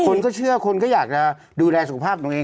คนก็เชื่อคนก็อยากจะดูแลสุขภาพตัวเอง